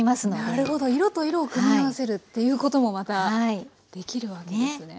なるほど色と色を組み合わせるっていうこともまたできるわけですね。